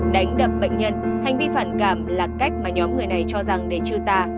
đánh đập bệnh nhân hành vi phản cảm là cách mà nhóm người này cho rằng để trừ ta